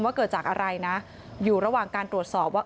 เกิดจากอะไรนะอยู่ระหว่างการตรวจสอบว่า